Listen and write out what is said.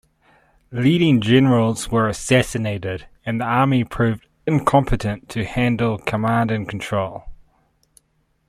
Leading generals were assassinated, and the army proved incompetent to handle command-and-control.